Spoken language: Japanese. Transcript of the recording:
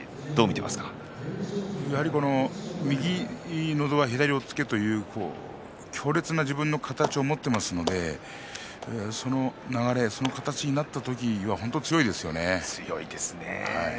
右のど輪左押っつけという強烈な自分の形を持っていますからその形になった時本当に強いですね。